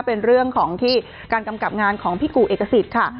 เป็นเรื่องของที่การกำกับงานของพี่กู่เอกสิทธิ์ค่ะ